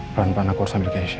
peran peran aku harus ambil keisha